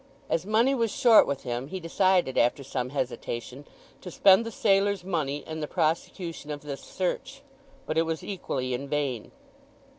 As money was short with him he decided, after some hesitation, to spend the sailor's money in the prosecution of this search; but it was equally in vain.